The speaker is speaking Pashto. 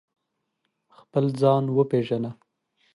خپل ځان و پېژنه